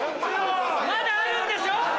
まだあるんでしょ？